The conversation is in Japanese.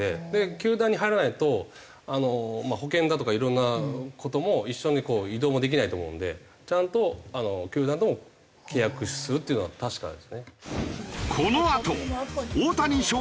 球団に入らないと保険だとかいろんな事も一緒に移動もできないと思うのでちゃんと球団とも契約するっていうのが確かですね。